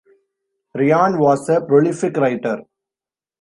Bryan was a prolific writer.